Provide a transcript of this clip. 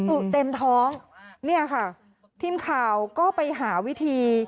อุเต็มท้องเนี่ยค่ะทีมข่าวก็ไปหาวิธี